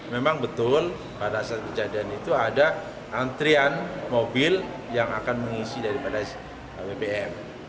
memang betul pada saat kejadian itu ada antrian mobil yang akan mengisi daripada bbm